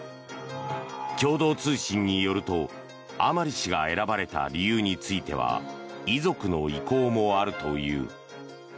共同通信によると甘利氏が選ばれた理由については遺族の意向もあるという。